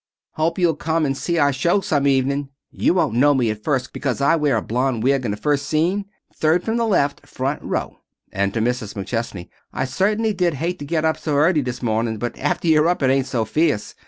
"Hope you'll come and see our show some evening. You won't know me at first, because I wear a blond wig in the first scene. Third from the left, front row." And to Mrs. McChesney: "I cer'nly did hate to get up so early this morning, but after you're up it ain't so fierce.